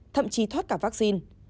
thậm chí thoát cả vaccine